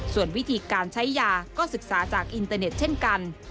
ส่วนวิธีการใช้ยาก็ศึกษาจากอินเตอร์เน็ตเช่นกัน